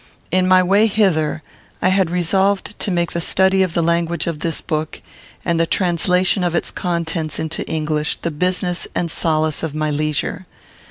In my way hither, I had resolved to make the study of the language of this book, and the translation of its contents into English, the business and solace of my leisure.